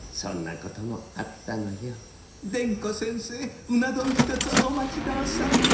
伝子先生ウナどん１つお待ち遠さま。